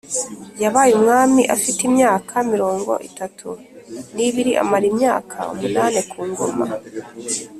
Yabaye umwami afite imyaka mirongo itatu n ibiri amara imyaka umunani ku ngoma